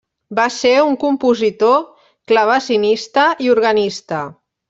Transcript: Va ser un compositor, clavecinista i organista.